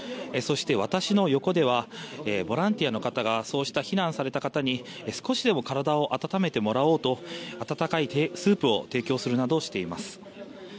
そして、私の横ではボランティアの方がそうした避難された方に少しでも体を温めてもらおうと温かいスープを提供するなどしています。